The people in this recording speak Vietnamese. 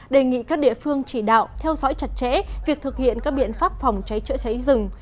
đề nghị các địa phương chỉ đạo theo dõi chặt chẽ việc thực hiện các biện pháp phòng cháy chữa cháy rừng